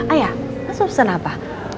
ayah mas mau pesan apa